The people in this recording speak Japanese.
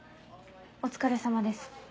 お疲れさまです。